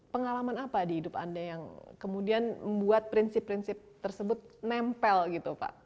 pengalaman apa di hidup anda yang kemudian membuat prinsip prinsip tersebut nempel gitu pak